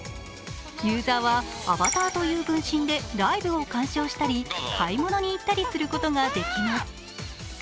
ユーザーはアバターという分身でライブを鑑賞したり買い物に行ったりすることができます。